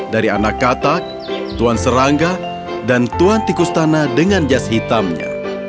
dari anak katak tuan serangga dan tuan tikus tanah dengan jas hitamnya